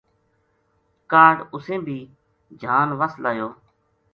کاہڈ اِسیں بھی جہان وس لایو